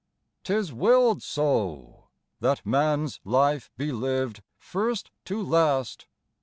" "Tis willed so — that man's life be lived first to last.